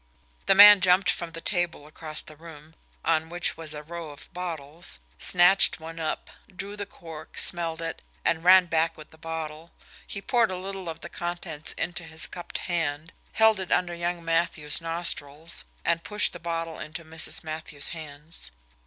The man jumped for the table across the room, on which was a row of bottles, snatched one up, drew the cork, smelled it, and ran back with the bottle. He poured a little of the contents into his cupped hand, held it under young Matthews' nostrils, and pushed the bottle into Mrs. Matthews' hands.